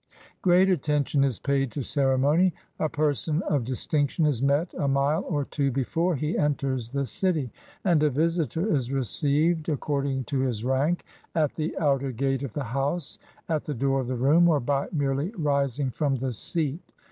Great attention is paid to ceremony. A person of dis tinction is met a mile or two before he enters the city; and a visitor is received (according to his rank) at the outer gate of the house, at the door of the room, or by merely rising from the seat.